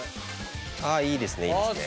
あいいですねいいですね。